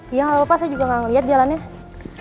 iya gak apa apa saya juga gak ngeliat jalannya